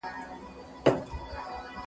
سفیران چیرته د قانون واکمني پیاوړي کوي؟